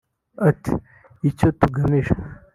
Ati “Icyo tugamije